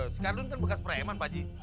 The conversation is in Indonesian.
si kardun kan bekas preman pak ji